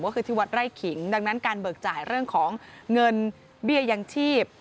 ก็คือที่วัดไร่ขิงดังนั้นการเบิกจ่ายเรื่องของเงินเบี้ยยังชีพ